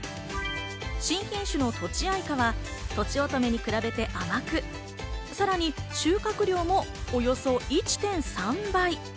新品種のとちあいかは、とちおとめに比べて甘く、さらに収穫量もおよそ１．３倍。